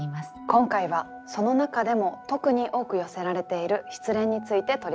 今回はその中でも特に多く寄せられている「失恋」について取り上げたいと思います。